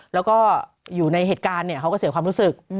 แล้วก็อยู่ในเหตุการณ์เขาก็เสียความรู้สึก